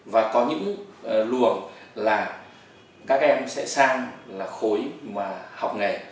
và có những luồng là các em sẽ sang là khối mà học nghề